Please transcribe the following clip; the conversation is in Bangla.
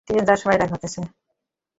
ট্রেন যাওয়ার সময় এটা ঘটেছে।